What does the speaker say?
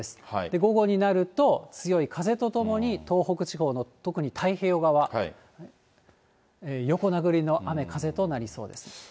午後になると、強い風とともに、東北地方の特に太平洋側、横殴りの雨、風となりそうです。